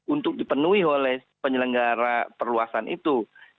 untuk dipenuhi oleh penyelenggara perluasan itu